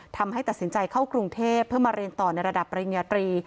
ทำให้ตัดสินใจเข้ากรุงเทพเพื่อมาเรียนต่อในระดับปริญญาตรี